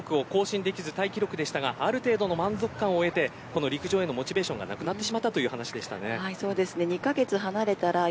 しかし去年、区間記録を更新できずタイ記録でしたがある程度の満足感を得て陸上へのモチベーションがなくなってしまったという話でした。